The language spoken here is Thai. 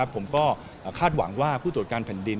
ผมก็คาดหวังว่าผู้ตรวจการแผ่นดิน